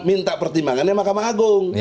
minta pertimbangannya mahkamah agung